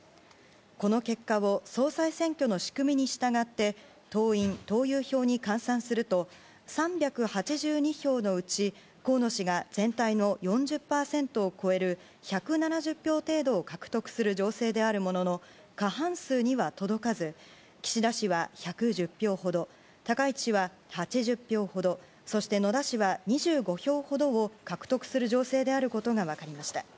この結果を総裁選挙の仕組みに従って党員・党友票に換算すると３８２票のうち河野氏が全体の４０％を超える１７０票程度を獲得する情勢であるものの過半数には届かず岸田氏は１１０票ほど高市氏は８０票ほどそして、野田氏は２５票ほどを獲得する情勢であることが分かりました。